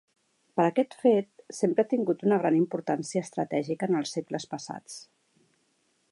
Per aquest fet, sempre ha tingut una gran importància estratègica en els segles passats.